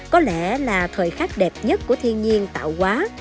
có lẽ là thời khắc đẹp nhất của thiên nhiên tạo quá